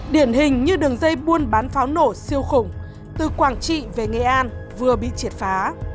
điển hình như đường dây buôn bán pháo nổ siêu khủng từ quảng trị về nghệ an vừa bị triệt phá